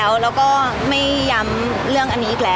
พี่ตอบได้แค่นี้จริงค่ะ